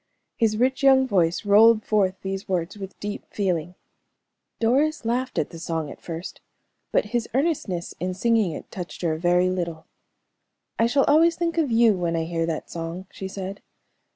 His rich young voice rolled forth these words with deep feeling. Doris laughed at the song at first, but his earnestness in singing it touched her a very little. "I shall always think of you when I hear that song," she said.